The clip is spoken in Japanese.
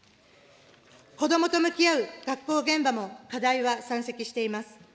子どもと向き合う学校現場も課題は山積しています。